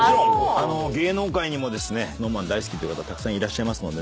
芸能界にもＳｎｏｗＭａｎ大好きって方はたくさんいらっしゃいますので。